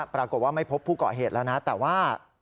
ปรากฏว่าไม่พบผู้เกาะเหตุแล้วนะแต่ว่า